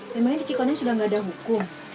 memangnya di cikonin sudah nggak ada hukum